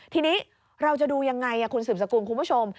ทีนี้เราจะดูยังไงคุณสืบสกุลคุณผู้ชม